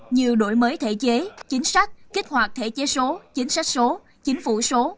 như đổi mới thể chế chính sách kích hoạt thể chế số chính sách số chính phủ số